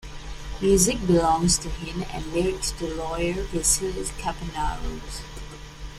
Music belongs to him and lyrics to lawyer Vasilis Kapernaros.